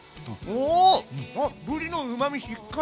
おおぶりのうまみしっかり！